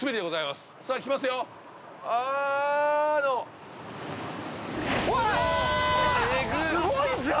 すごいじゃん！